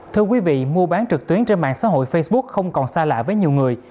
thưa quý vị mua bán trực tuyến trên mạng xã hội facebook không còn xa lạ với nhiều người